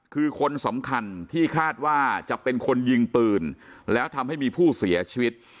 คือคนสำคัญที่คาดว่าจะเป็นคนยิงปืนแล้วทำให้มีผู้เสียชีวิต